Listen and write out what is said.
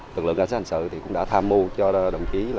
lực lượng cảnh sát hành sự cũng đã tham mưu cho đồng chí